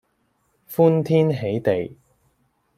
歡天喜地